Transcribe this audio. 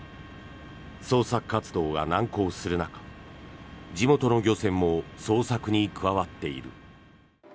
捜索活動が難航する中地元の漁船も捜索に加わっている。